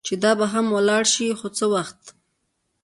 چې دا به هم ولاړه شي، خو څه وخت.